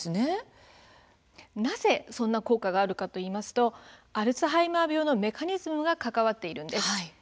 なぜそんな効果があるかといいますとアルツハイマー病のメカニズムが関わっているんです。